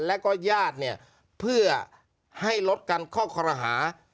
แล้วก็ญาติเนี่ยเพื่อให้ลดกันข้อคอรหา